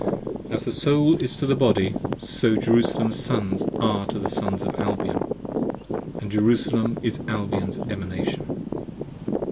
As the Soul is to the Body, so Jerusalem's Sons 5 Are to the Sons of Albion : and Jerusalem is Albion's Emanation.